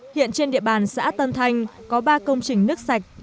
hiện trên địa bàn xã tân thanh có ba công trình nước sạch